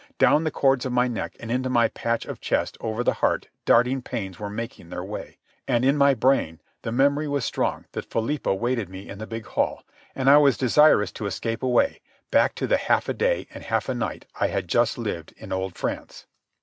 Down the cords of my neck and into my patch of chest over the heart darting pains were making their way. And in my brain the memory was strong that Philippa waited me in the big hall, and I was desirous to escape away back to the half a day and half a night I had just lived in old France.